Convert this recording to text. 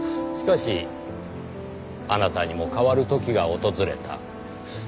しかしあなたにも変わる時が訪れた。